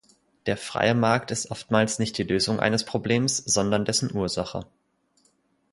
Der freie Markt ist oftmals nicht die Lösung eines Problems, sondern dessen Ursache.